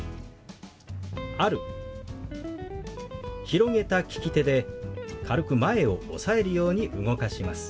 広げた利き手で軽く前を押さえるように動かします。